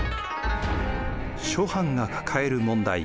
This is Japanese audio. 諸藩が抱える問題。